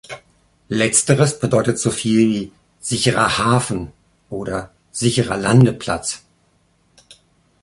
Letzteres bedeutet so viel wie „sicherer Hafen“ oder „sicherer Landeplatz“.